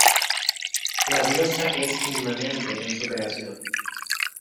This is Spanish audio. La Diosa es inmanente en su creación.